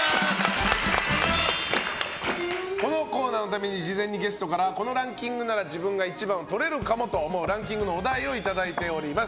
このコーナーのために事前にゲストからこのランキングなら自分が１番をとれるかもと思うランキングのお題をいただいております。